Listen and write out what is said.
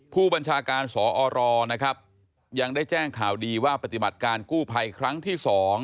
ผู้บัญชาการสอรนะครับยังได้แจ้งข่าวดีว่าปฏิบัติการกู้ภัยครั้งที่๒